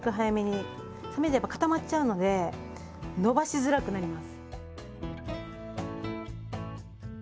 冷めると固まっちゃうので伸ばしづらくなります。